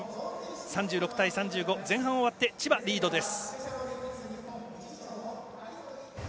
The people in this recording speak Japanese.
３６対３５、前半終わって千葉リードです。